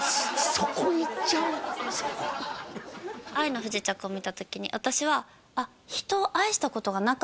そこ「愛の不時着」を見た時に私はあら？